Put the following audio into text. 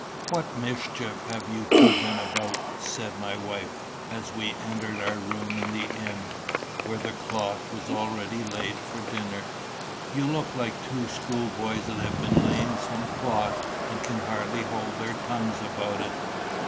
"What mischief have you two been about?" said my wife, as we entered our room in the inn, where the cloth was already laid for dinner. "You look just like two schoolboys that have been laying some plot, and can hardly hold their tongues about it."